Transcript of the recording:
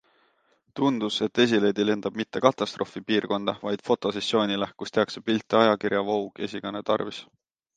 Tundus, et esileedi lendab mitte katastroofipiirkonda, vaid fotosessioonile, kus tehakse pilte ajakirja Vogue esikaane tarvis.